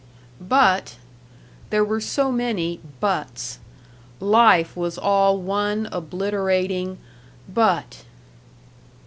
But there were so many "buts"! Life was all one obliterating But.